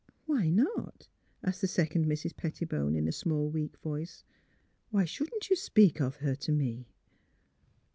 <' Why not ?'' asked the second Mrs. Pettibone, in a small, weak voice. " Why shouldn't you speak of her — to me?